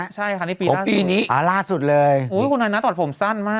ใช่ค่ะนี่ปีล่าสุดของปีนี้อ่าล่าสุดเลยอุ้ยคุณไอน้าตอบผมสั้นมาก